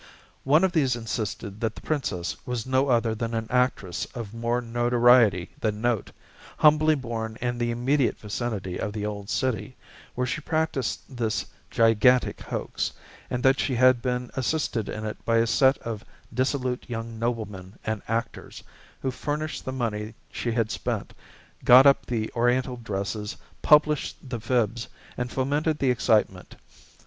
One of these insisted that the Princess was no other than an actress of more notoriety than note, humbly born in the immediate vicinity of the old city, where she practiced this gigantic hoax, and that she had been assisted in it by a set of dissolute young noblemen and actors, who furnished the money she had spent, got up the oriental dresses, published the fibs, and fomented the excitement.